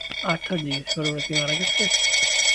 Arthur জিজ্ঞেস করে, "ওরা কি মারা গেছে?"